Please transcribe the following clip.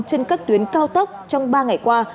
trên các tuyến cao tốc trong ba ngày qua